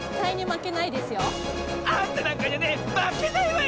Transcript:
あんたなんかにはねまけないわよ！